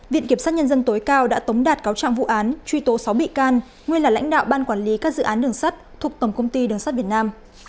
viện kiểm sát nhân dân tối cao đã tống đạt cáo trạng vụ án truy tố sáu bị can nguyên là lãnh đạo ban quản lý các dự án đường sắt thuộc tổng công ty đường sắt việt nam